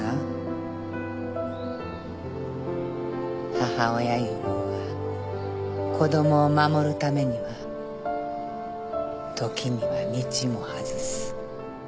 母親いうもんは子供を守るためには時には道も外す。